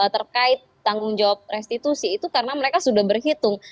terkait tanggung jawab restitusi itu karena mereka sudah berhitung